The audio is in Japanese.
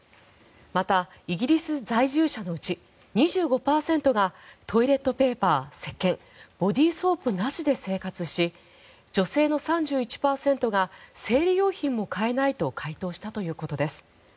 また、イギリス在住者のうち２５％がトイレットペーパーせっけん・ボディーソープなしで生活し女性の３１％が生理用品も買えないと回答したということです。